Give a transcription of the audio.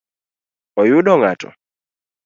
Oyudo ng’ato?